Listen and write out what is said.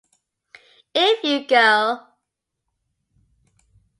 If You Go!